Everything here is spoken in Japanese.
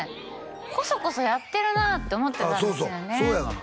コソコソやってるなって思ってたんですよね